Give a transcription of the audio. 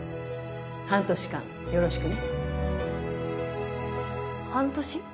半年間よろしくね半年？